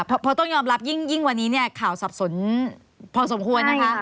เพราะต้องยอมรับยิ่งวันนี้เนี่ยข่าวสับสนพอสมควรนะคะ